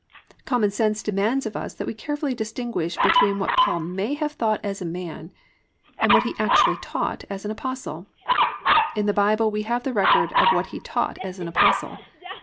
Common sense demands of us that we carefully distinguish between what Paul may have thought as a man, and what he actually taught as an apostle. In the Bible we have the record of what he taught as an Apostle.